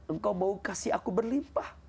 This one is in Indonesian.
engkau mau kasih aku berlimpah